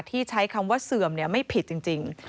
ที่ใช้คำว่าเสื่อมเนี่ยไม่ผิดจริง